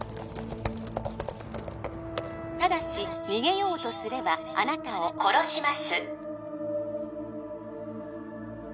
ただし逃げようとすればあなたを殺します